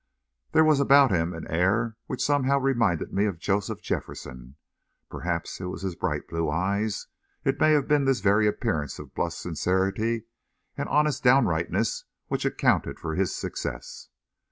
There was about him an air which somehow reminded me of Joseph Jefferson perhaps it was his bright blue eyes. It may have been this very appearance of bluff sincerity and honest downrightness which accounted for his success.